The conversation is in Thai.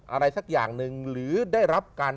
อะไรสักอย่างหนึ่งหรือได้รับการ